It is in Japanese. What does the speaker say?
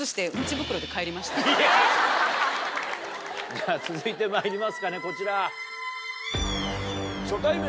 じゃ続いてまいりますかねこちら。